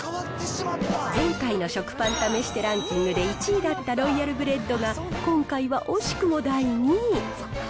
前回の食パン試してランキングで１位だったロイヤルブレッドが、今回は惜しくも第２位。